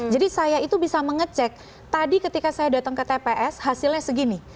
jadi saya itu bisa mengecek tadi ketika saya datang ke tps hasilnya segini